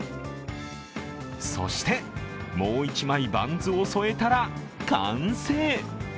そしてもう１枚、バンズを添えたら完成。